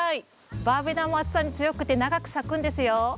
バーベナも暑さに強くて長く咲くんですよ。